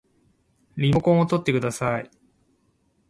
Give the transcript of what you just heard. リモコンをとってください